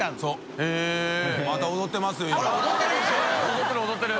踊ってる踊ってる。